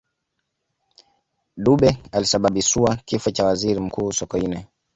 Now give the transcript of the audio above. dube alisababisua kifo cha waziri mkuu sokoine